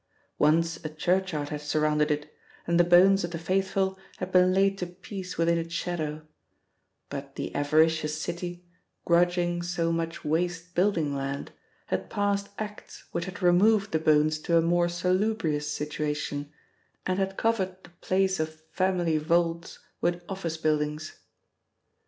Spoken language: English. Once a churchyard had surrounded it, and the bones of the faithful had been laid to peace within its shadow, but the avaricious city, grudging so much waste building land, had passed Acts which had removed the bones to a more salubrious situation and had covered the place of family vaults with office buildings.